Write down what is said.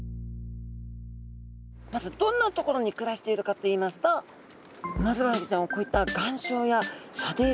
まずどんな所に暮らしているかといいますとウマヅラハギちゃんはこういった岩礁や砂泥底に暮らしてるんですね。